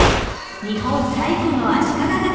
［日本最古の足利学校］